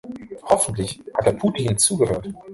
Hoffentlich hat Herr Putin zugehört.